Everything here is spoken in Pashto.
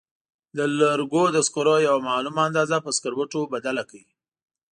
د لرګو د سکرو یوه معلومه اندازه په سکروټو بدله کړئ.